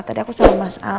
tadi aku sama mas a